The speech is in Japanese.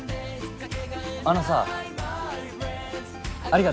あのさありがとう。